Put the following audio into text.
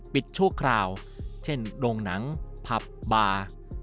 ปิดช่วงคราวเช่นโรงหนังพับบาร์